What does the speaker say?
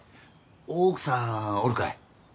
大奥さんおるかい？